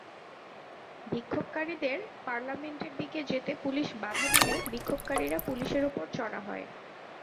বিক্ষোভকারীদের পার্লামেন্টের দিকে যেতে পুলিশ বাধা দিলে বিক্ষোভকারীরা পুলিশের ওপর চড়া হয়।